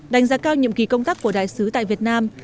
đánh giá cao nhiệm kỳ công tác của đại sứ tại việt nam